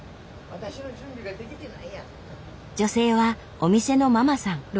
女性はお店のママさん。